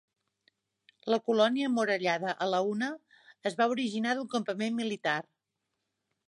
La colònia emmurallada "Alauna" es va originar d'un campament militar.